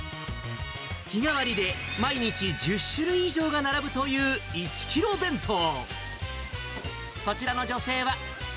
日替わりで、毎日１０種類以上が並ぶという１キロ弁当。